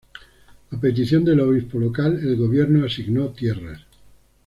A petición del obispo local, el gobierno asignó tierras.